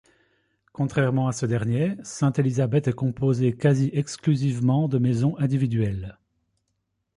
Contrairement à ce dernier, Sainte-Elisabeth est composé quasi exclusivement de maisons individuelles.